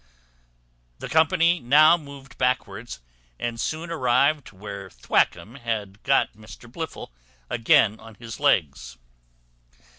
The company now moved backwards, and soon arrived where Thwackum had got Mr Blifil again on his legs.